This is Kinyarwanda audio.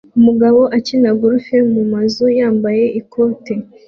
Umugabo ukina golf mumazu yambaye ikote